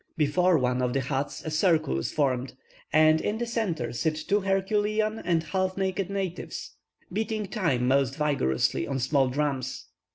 Before one of the huts a circle is formed, and in the centre sit two herculean and half naked natives, beating time most vigorously on small drums.